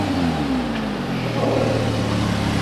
Icɣel?